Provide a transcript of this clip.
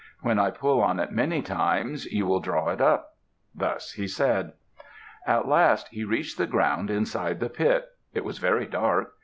When I pull on it many times, you will draw it up." Thus he said. At last he reached the ground inside the pit. It was very dark.